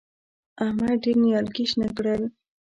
احمد ډېر نيالګي شنه کړل.